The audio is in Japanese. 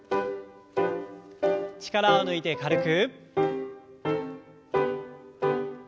力を抜いて軽く。